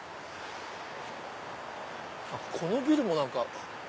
あっこのビルも何か。